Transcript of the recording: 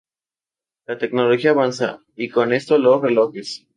La tecnología avanza, y con esto los relojes.